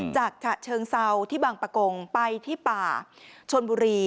ฉะเชิงเซาที่บางประกงไปที่ป่าชนบุรี